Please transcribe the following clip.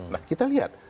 nah kita lihat